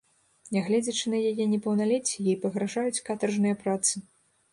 Нягледзячы на яе непаўналецце, ей пагражаюць катаржныя працы.